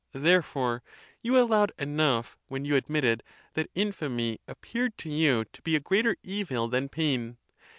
Therefore, you allowed enough when you admitted that infamy appeared to you to be a greater evil than pain.